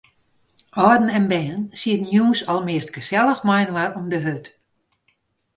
Alden en bern sieten jûns almeast gesellich mei-inoar om de hurd.